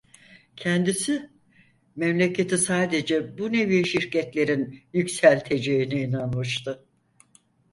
Kendisi, memleketi sadece bu nevi şirketlerin yükselteceğine inanmıştı.